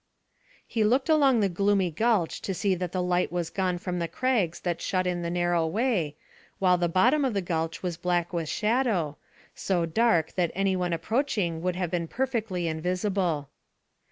He looked along the gloomy gulch to see that the light was gone from the crags that shut in the narrow way, while the bottom of the gulch was black with shadow, so dark that any one approaching would have been perfectly invisible.